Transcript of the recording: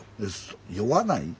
酔わない？